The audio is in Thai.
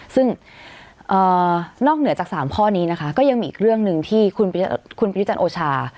ซึ่งนอกเหนือจาก๓ข้อนี้นะคะก็ยังมีอีกเรื่องหนึ่งที่คุณประยุจันทร์โอชา